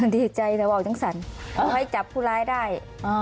ดีใจแต่ว่าออกจังสรรให้จับผู้ร้ายได้